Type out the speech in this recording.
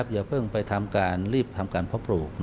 อย่าเพิ่งไปรีบทำการพบปลูก